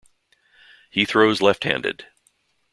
He throws left-handed.